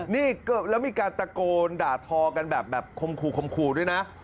นี่แล้วมีการตะโกนด่าทอกันแบบคมขู่คมขู่ด้วยนะ